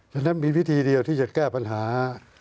ฉะนั้นมีวิธีเดียวที่จะแก้ปัญหา